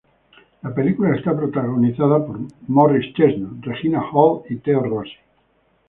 La película está protagonizada por Morris Chestnut, Regina Hall y Theo Rossi.